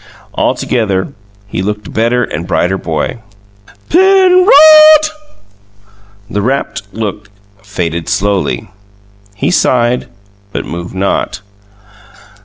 Altogether he looked a better and a brighter boy. "Pen ROD!" The rapt look faded slowly. He sighed, but moved not.